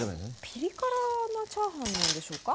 ピリ辛なチャーハンなんでしょうか？